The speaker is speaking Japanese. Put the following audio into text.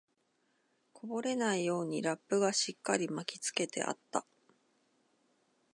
こぼれないようにラップがしっかり巻きつけてあった